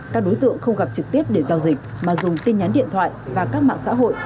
các đối tượng không gặp trực tiếp để giao dịch mà dùng tin nhắn điện thoại và các mạng xã hội